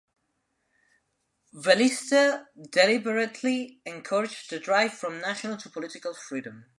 Velliste deliberately encouraged the drive for national and political freedom.